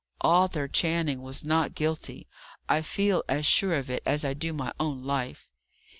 "Arthur Channing was not guilty. I feel as sure of it as I do of my own life."